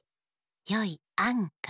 よい「あん」が「かけ」